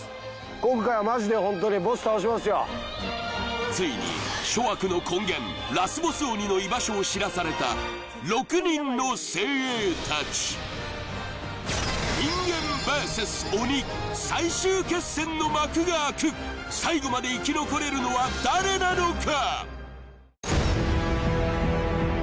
今回はホントについに諸悪の根源ラスボス鬼の居場所を知らされた６人の精鋭たち人間ＶＳ鬼最終決戦の幕が開く最後まで生き残れるのは誰なのか？